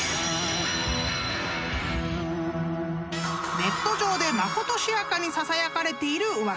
［ネット上でまことしやかにささやかれている噂］